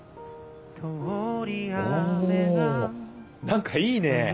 何かいいねぇ。